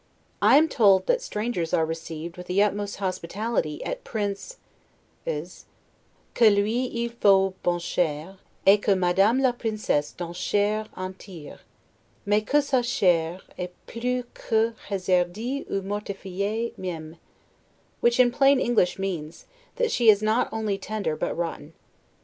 I am told that strangers are received with the utmost hospitality at Prince 's, 'que lui il fait bonne chere, et que Madame la Princesse donne chere entire; mais que sa chair est plus que hazardee ou mortifiee meme'; which in plain English means, that she is not only tender, but rotten.